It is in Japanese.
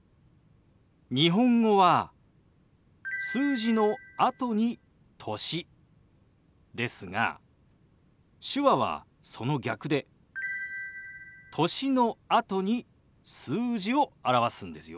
日本語は数字のあとに歳ですが手話はその逆で歳のあとに数字を表すんですよ。